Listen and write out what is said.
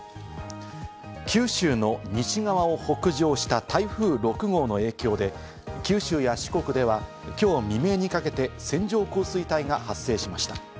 九州の西側を北上した台風６号の影響で、九州や四国では、きょう未明にかけて線状降水帯が発生しました。